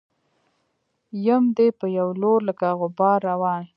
يم دې په يو لور لکه غبار روان